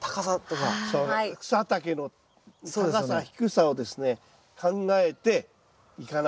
草丈の高さ低さをですね考えていかないと。